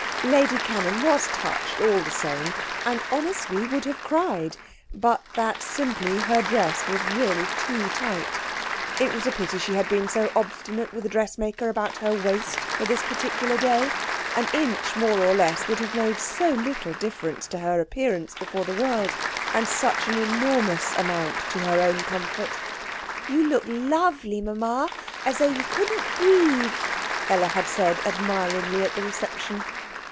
Lady Cannon was touched, all the same, and honestly would have cried, but that, simply, her dress was really too tight. It was a pity she had been so obstinate with the dressmaker about her waist for this particular day; an inch more or less would have made so little difference to her appearance before the world, and such an enormous amount to her own comfort. 'You look lovely, Mamma as though you couldn't breathe!' Ella had said admiringly at the reception.